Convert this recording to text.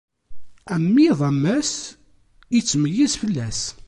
Am yiḍ am wass, ittmeyyiz fell-as.